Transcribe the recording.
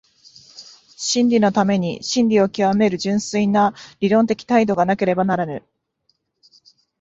真理のために真理を究める純粋な理論的態度がなければならぬ。